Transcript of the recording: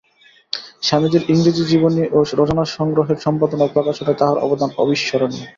স্বামীজীর ইংরেজী জীবনী ও রচনাসংগ্রহের সম্পাদনা ও প্রকাশনায় তাঁহার অবদান অবিস্মরণীয়।